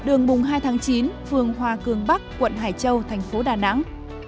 đường bùng hai chín phường hoa cường bắc quận hải châu thành phố đà nẵng